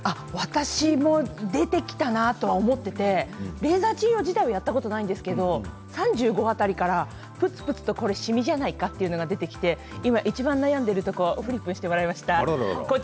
私も出てきたなと思っていてレーザー治療自体はやったことないんですけれど３５歳辺りから、ぷつぷつとこれシミじゃないか？というのが出てきていちばん悩んでいるところフリップしてもらいました。